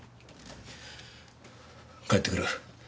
帰って来る。